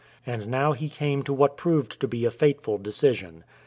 And now he came to what proved to be a fateful decision.